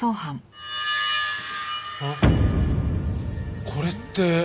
あっこれって。